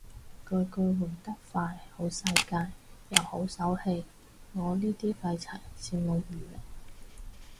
巨巨換得快好世界又好手氣，我呢啲廢柴羨慕唔嚟